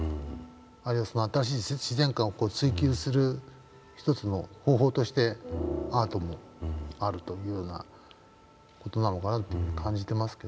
あるいはその新しい自然観を追求する一つの方法としてアートもあるというような事なのかなと感じてますけどね。